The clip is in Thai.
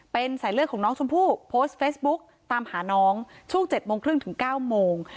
เป็นสายเลือดของน้องชมพู่โพสต์เฟซบุ๊กตามหาน้องช่วง๗โมงครึ่งถึง๙โมง